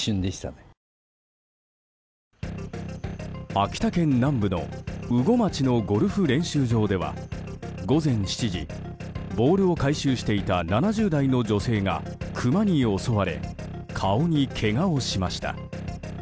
秋田県南部の羽後町のゴルフ練習場では午前７時、ボールを回収していた７０代の女性がクマに襲われ顔にけがをしました。